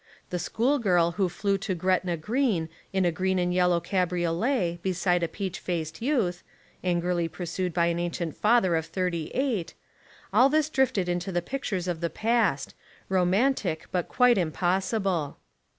The school girl who flew to Gretna Green in a green and yellow cabriolet beside a peach faced youth, — angrily pursued by an ancient father of thirty eight, — all this drifted into the pictures of the past, romantic but quite impos sible.